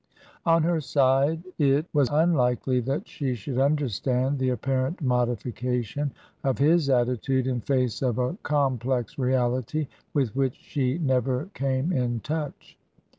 On her side it was unlikely that she should understand the apparent modification of his attitude in face of a complex Reality with which she never came in touch.